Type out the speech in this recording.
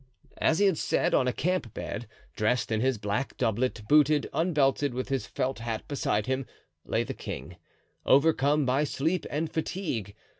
As he had said, on a camp bed, dressed in his black doublet, booted, unbelted, with his felt hat beside him, lay the king, overcome by sleep and fatigue.